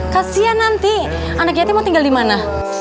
kasian nanti anak yatimu tinggal dimana